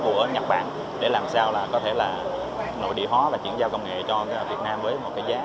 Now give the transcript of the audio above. của nhật bản để làm sao có thể là nội địa hóa và chuyển giao công nghệ cho việt nam